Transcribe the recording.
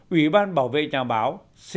ủy ban bảo vệ nhà báo